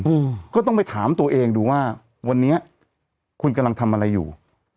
อืมก็ต้องไปถามตัวเองดูว่าวันนี้คุณกำลังทำอะไรอยู่